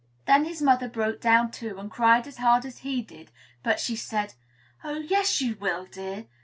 Then his mother broke down, too, and cried as hard as he did; but she said, "Oh! yes, you will, dear.